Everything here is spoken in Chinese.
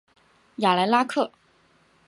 雅莱拉克。